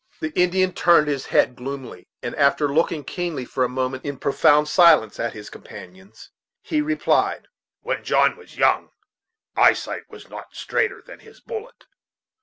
The Indian turned his head gloomily, and after looking keenly for a moment, in profound silence, at his companions, he replied: "When John was young, eyesight was not straighter than his bullet.